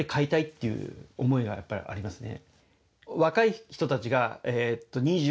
そういう思いがやっぱりありますね。